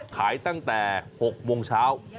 ขายตั้งแต่๖โมงเช้า